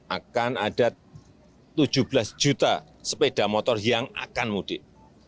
akan ada tujuh belas juta sepeda motor yang akan mudik